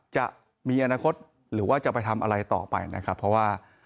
จะมีอนาคตหรือว่าจะไปทำอะไรต่อไปนะครับเพราะว่า